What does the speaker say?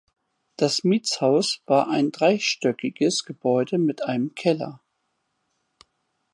Das Mietshaus war ein dreistöckiges Gebäude mit einem Keller.